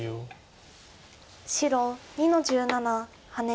白２の十七ハネ。